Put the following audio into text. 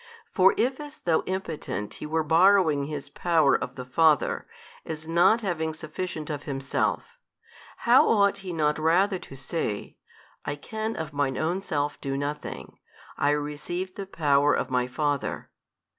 For if as though impotent He were borrowing His |277 Power of the Father, as not having sufficient of Himself: how ought He not rather to say, I can of Mine Own Self do nothing, I receive the power of my Father?